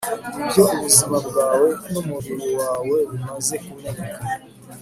Ibyo ubuzima bwawe numubiri wawe bimaze kumeneka